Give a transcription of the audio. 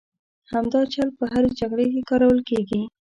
همدا چل په هرې جګړې کې کارول کېږي.